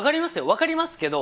分かりますけど。